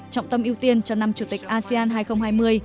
trọng tâm ưu tiên cho năm chủ tịch asean hai nghìn hai mươi